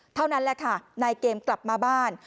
เท่านั้นแหละค่ะนายเกมกลับมาบ้าน